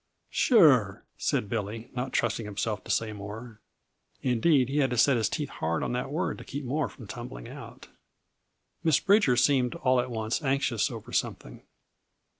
"Sure!" said Billy, not trusting himself to say more. Indeed, he had to set his teeth hard on that word to keep more from tumbling out. Miss Bridger seemed all at once anxious over something.